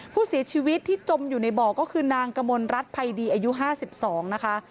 ผู้เสียชีวิตที่จมอยู่ในบ่อก็คือนางกมลรัฐภัยดีอายุ๕๒นะคะ